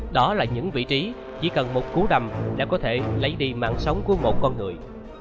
đó là những vị trí chỉ cần một cú đầm để có thể lấy đi mạng sống của một con người